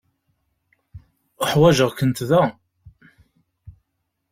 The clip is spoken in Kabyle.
Uḥwaǧeɣ-kent da.